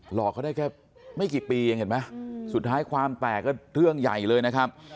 หลอกเขาได้แค่ไม่กี่ปีเองเห็นไหมสุดท้ายความแตกก็เรื่องใหญ่เลยนะครับ